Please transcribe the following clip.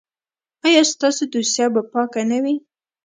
ایا ستاسو دوسیه به پاکه نه وي؟